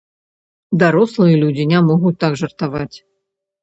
Дарослыя людзі не могуць так жартаваць.